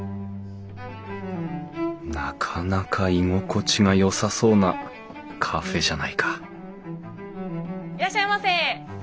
なかなか居心地がよさそうなカフェじゃないかいらっしゃいませ。